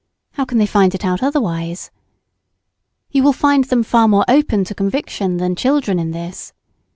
How can they find it out otherwise? You will find them far more open to conviction than children in this.